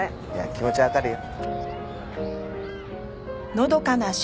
気持ちはわかるよ。